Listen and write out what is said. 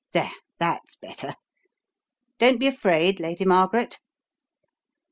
There, that's better. Don't be afraid, Lady Mar garet."